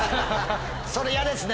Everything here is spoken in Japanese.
それ嫌ですね。